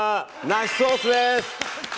ナシソースです。